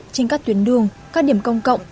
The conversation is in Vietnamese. trên các tuyến đường các điểm công cộng